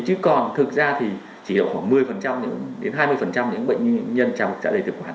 chứ còn thực ra thì chỉ là khoảng một mươi đến hai mươi những bệnh nhân trào ngược dạ dày thực quản